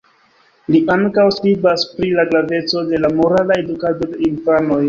Li ankaŭ skribas pri la graveco de la morala edukado de infanoj.